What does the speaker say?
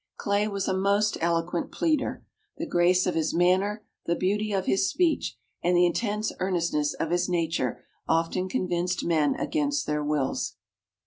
Clay was a most eloquent pleader. The grace of his manner, the beauty of his speech, and the intense earnestness of his nature often convinced men against their wills.